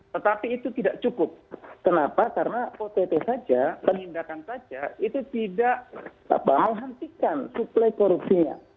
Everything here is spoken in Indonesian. tetapi itu tidak cukup kenapa karena ott saja penindakan saja itu tidak menghentikan suplai korupsinya